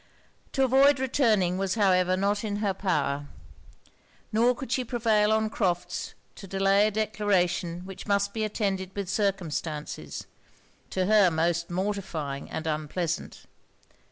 To avoid returning was however not in her power; nor could she prevail on Crofts to delay a declaration which must be attended with circumstances, to her most mortifying and unpleasant.